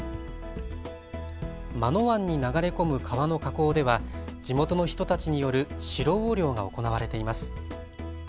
真野湾に流れ込む川の河口では地元の人たちによるシロウオ漁が行われています。